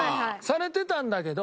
されてたんだけど。